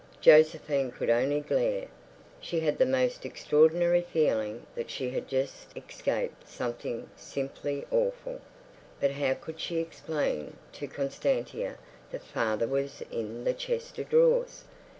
Josephine could only glare. She had the most extraordinary feeling that she had just escaped something simply awful. But how could she explain to Constantia that father was in the chest of drawers?